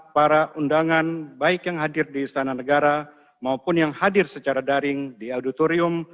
para undangan baik yang hadir di istana negara maupun yang hadir secara daring di auditorium